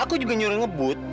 aku juga nyuruh nyebut